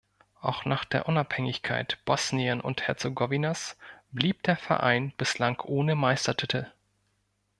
Auch nach der Unabhängigkeit Bosnien und Herzegowinas blieb der Verein bislang ohne Meistertitel.